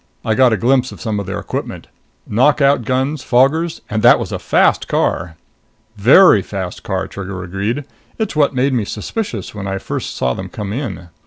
I got a glimpse of some of their equipment. Knockout guns foggers and that was a fast car!" "Very fast car," Trigger agreed. "It's what made me suspicious when I first saw them come in."